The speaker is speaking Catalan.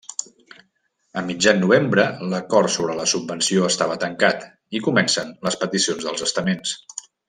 A mitjan novembre l'acord sobre la subvenció estava tancat, i comencen les peticions dels estaments.